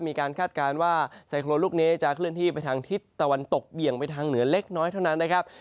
คาดการณ์ว่าไซโครนลูกนี้จะเคลื่อนที่ไปทางทิศตะวันตกเบี่ยงไปทางเหนือเล็กน้อยเท่านั้นนะครับ